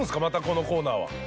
またこのコーナーは。